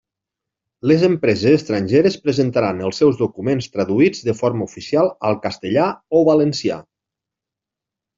Les empreses estrangeres presentaran els seus documents traduïts de forma oficial al castellà o valencià.